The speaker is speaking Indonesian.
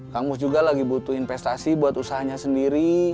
kang mus juga lagi butuh investasi buat usahanya sendiri